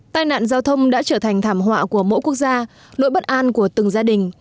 tai nạn giao thông đã trở thành thảm họa của mỗi quốc gia nỗi bất an của từng gia đình